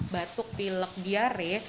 batuk pilek atau diare